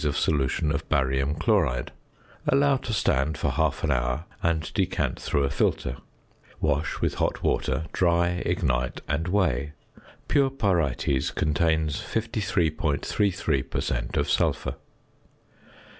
of solution of barium chloride; allow to stand for half an hour, and decant through a filter. Wash with hot water, dry, ignite, and weigh. Pure pyrites contains 53.33 per cent. of sulphur.